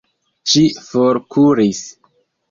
Ŝi forkuris.